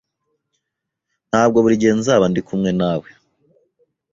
Ntabwo buri gihe nzaba ndi kumwe nawe.